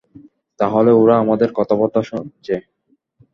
তাহলে ওরা আমাদের কথাবার্তা শুনছে।